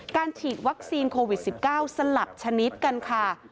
ฉีดวัคซีนโควิด๑๙สลับชนิดกันค่ะ